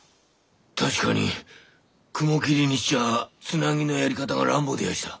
確かに雲霧にしちゃあつなぎのやり方が乱暴でやした。